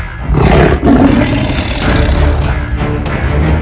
kandunganmu tak akan nyambut